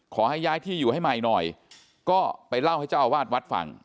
ขอให้ย้ายที่อยู่ให้ใหม่หน่อยก็ไปเล่าให้เจ้าอาวาสวัดฟัง